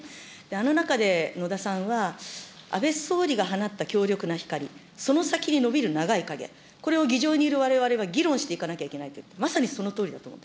あの中で野田さんは、安倍総理が放った強力な光、その先に伸びる長い影、これを議場にいるわれわれは議論していかなきゃいけないって、まさにそのとおりだと思う。